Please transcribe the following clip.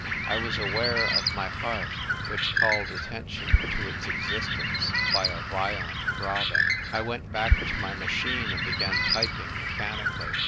I was aware ot my heart, which called attention to its ex istence by a violent throbbing. I went back to my machine and began typing mechani cally.